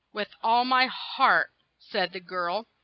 "With all my heart," said the girl.